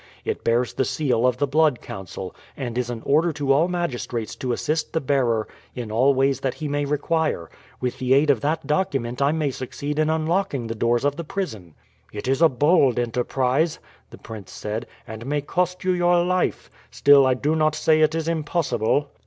It bears the seal of the Blood Council, and is an order to all magistrates to assist the bearer in all ways that he may require. With the aid of that document I may succeed in unlocking the door of the prison." "It is a bold enterprise," the prince said, "and may cost you your life. Still I do not say it is impossible."